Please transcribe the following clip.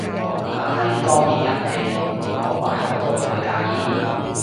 但係當然人哋講埋我都唔會介意